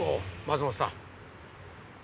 松本さん。